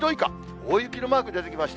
大雪のマーク出てきました。